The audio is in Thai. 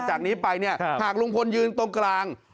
จากนี้ไปเนี่ยหากลุงพลยืนตรงกลาง